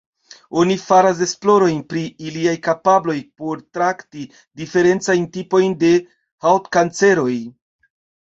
Oni faras esplorojn pri iliaj kapabloj por trakti diferencajn tipojn de haŭtkanceroj.